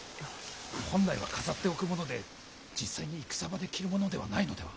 本来は飾っておくもので実際に戦場で着るものではないのでは。